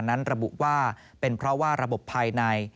นั้นระบุว่าเป็นเพราะว่าระบบภายใน